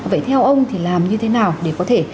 vậy theo ông thì làm như thế nào để có thể